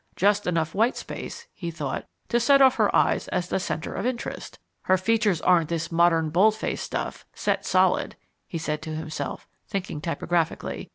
"Just enough 'white space,'" he thought, "to set off her eyes as the 'centre of interest.' Her features aren't this modern bold face stuff, set solid," he said to himself, thinking typographically.